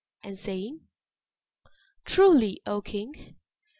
And saying, "Truly, O king!